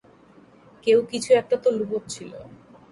কেউ কিছু একটা তো লুকোচ্ছিল।